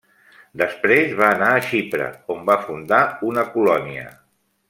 Després va anar a Xipre on va fundar una colònia.